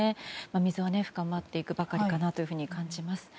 溝は深まっていくばかりかなと感じます。